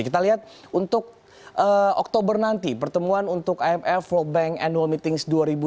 kita lihat untuk oktober nanti pertemuan untuk imf world bank annual meetings dua ribu dua puluh